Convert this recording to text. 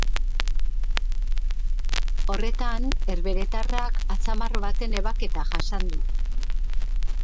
Horretan, herbeheretarrak atzamar baten ebaketa jasan du.